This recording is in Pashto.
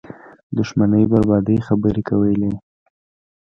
دښمنۍ بربادۍ خبرې کولې